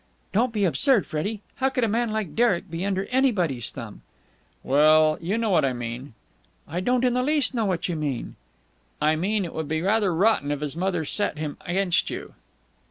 "Don't be absurd, Freddie. How could a man like Derek be under anybody's thumb?" "Well, you know what I mean!" "I don't in the least know what you mean." "I mean, it would be rather rotten if his mother set him against you."